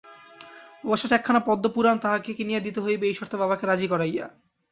অবশেষে একখানা পদ্মপুরাণ তাঁহাকে কিনিয়া দিতে হইবেএই শর্তে বাবাকে রাজি করাইয়া।